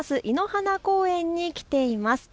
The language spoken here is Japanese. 亥鼻公園に来ています。